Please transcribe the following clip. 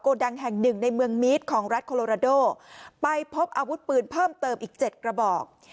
ดังแห่งหนึ่งในเมืองมีดของรัฐโคโลราโดไปพบอาวุธปืนเพิ่มเติมอีกเจ็ดกระบอก